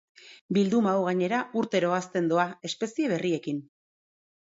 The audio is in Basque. Bilduma hau gainera urtero hazten doa espezie berriekin.